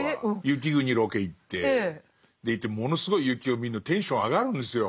雪国ロケ行ってでいてものすごい雪を見るのテンション上がるんですよ